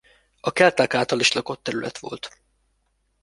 A kelták által is lakott terület volt.